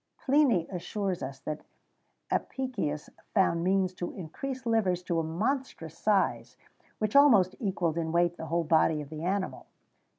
[XVII 71] Pliny assures us that Apicius found means to increase livers to a monstrous size,[XVII 72] which almost equalled in weight the whole body of the animal.